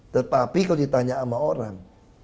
tetapi kalau ditanya sama orang